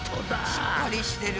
しっかりしてる。